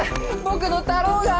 僕の太郎が！